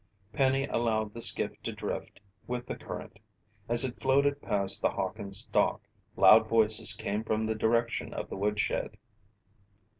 Penny allowed the skiff to drift with the current. As it floated past the Hawkins' dock, loud voices came from the direction of the woodshed.